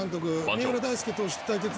三浦大輔投手と対決で。